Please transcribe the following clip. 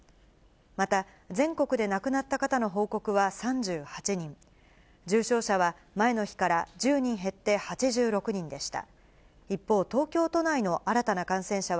また、全国で亡くなった方の報告は３８人、重症者は前の日から１０人減って８６人でした。